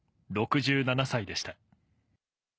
６７歳でした。